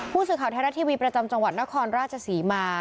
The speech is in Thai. ผู้สื่อข่าวไทยรัฐทีวีประจำจังหวัดนครราชศรีมา